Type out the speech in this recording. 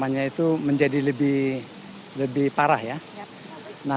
saya tidak paham